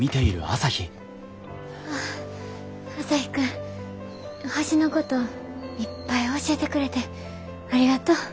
朝陽君星のこといっぱい教えてくれてありがとう。